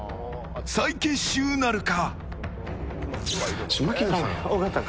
再結集なるか。